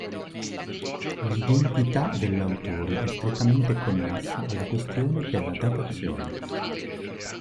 L'identità dell'autore è strettamente connessa alla questione della datazione.